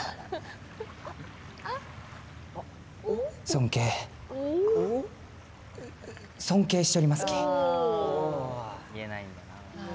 尊敬、尊敬しちょりますき。